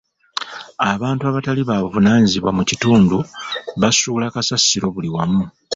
Abantu abatali ba buvunaanyizibwa mu kitundu basuula kasasiro buli wamu.